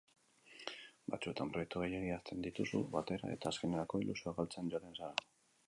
Batzuetan, proiektu gehiegi hasten dituzu batera eta azkenerako ilusioa galtzen joaten zara.